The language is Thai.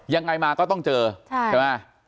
ยังไงมาก็ต้องเจอใช่ไหม